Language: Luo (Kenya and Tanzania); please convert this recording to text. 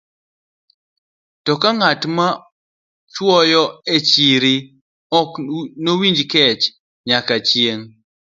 To ng'at ma chwoyo e chiri ok nowinj kech nyaka chieng'.